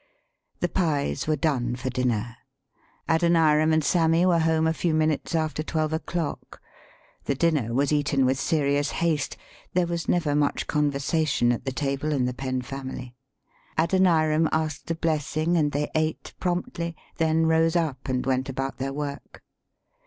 The pies were done for dinner. Adoniram and Sammy were home a few minutes after twelve o'clock. [The dinner was eaten with serious haste. There was never much con versation at the table in the Penn family. Adoniram asked a blessing, and they ate prompt ly, then rose up and went about their work.